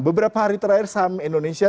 beberapa hari terakhir saham indonesia